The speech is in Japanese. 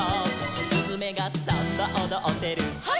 「すずめがサンバおどってる」「ハイ！」